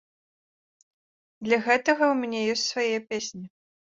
Для гэтага ў мяне ёсць свае песні.